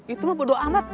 itu mah bodo amat